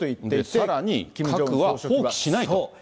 さらに、核は放棄しないと。